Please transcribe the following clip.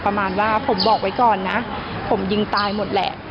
ประมาณว่าผมบอกไว้ก่อนนะผมยิงตายหมดแหละ